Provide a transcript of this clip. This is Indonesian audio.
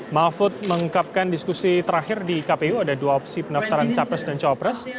mahfud mengungkapkan diskusi terakhir di kpu ada dua opsi pendaftaran capres dan cawapres